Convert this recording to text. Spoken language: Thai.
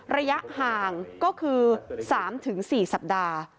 ระยะห่างก็คือ๓๔สัปดาห์